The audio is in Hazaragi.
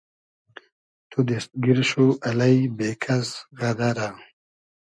تو دیست گیر شو الݷ بې کئس غئدئرۂ